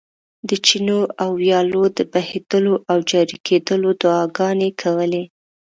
د چینو او ویالو د بهېدلو او جاري کېدلو دعاګانې کولې.